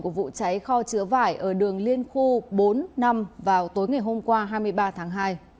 của vụ cháy kho chứa vải ở đường liên khu bốn năm vào tối ngày hôm qua hai mươi ba tháng hai